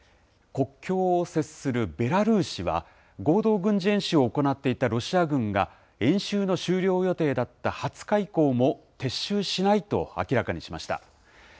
国境を接するベラルーシは、合同軍事演習を行っていたロシア軍が、演習の終了予定だった２０日以降も、撤収しないと明らかにしまし